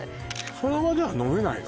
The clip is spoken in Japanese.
その場では飲めないの？